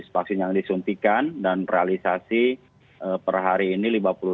vaksin yang disuntikan dan realisasi per hari ini lima puluh delapan delapan ratus empat belas